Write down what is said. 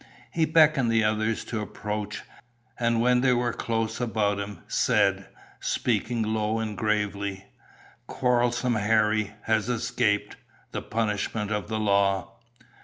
He beckoned the others to approach; and, when they were close about him, said, speaking low and gravely: "'Quarrelsome Harry' has escaped the punishment of the law."